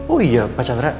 oh iya pak chandra